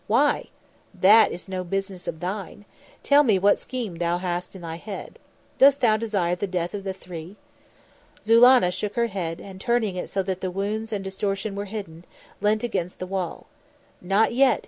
"Why?" "That is no business of thine. Tell me what scheme thou hast in thy head. Dost desire the death of the three?" Zulannah shook her head and turning it so that the wounds and distortion were hidden, leant against the wall. "Not yet!"